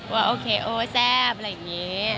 ว่าโอเคโอ๊ยแซ่บอะไรอย่างนี้